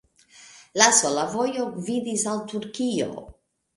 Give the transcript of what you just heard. La sola vojo gvidis al Turkio.